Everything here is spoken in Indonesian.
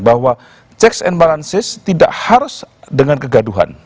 bahwa checks and balances tidak harus dengan kegaduhan